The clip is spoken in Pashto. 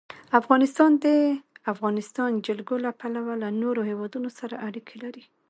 افغانستان د د افغانستان جلکو له پلوه له نورو هېوادونو سره اړیکې لري.